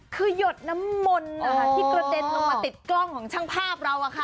คือหยดน้ำมนต์ที่กระเด็นลงมาติดกล้องของช่างภาพเรา